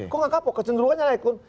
kok nggak kapok kecenderungannya naik pun